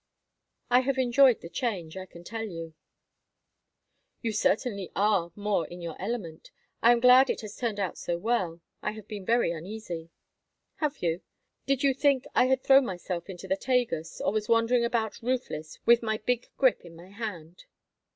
I have enjoyed the change, I can tell you." "You certainly are more in your element. I am glad it has turned out so well. I have been very uneasy." "Have you? Did you think I had thrown myself into the Tagus, or was wandering about roofless with my big grip in my hand?"